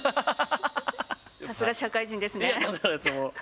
さすが社会人ですね。